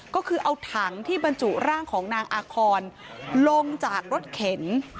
ก็คือเอาถังที่บรรจุร่างของนางอาคอนลงจากรถเข็น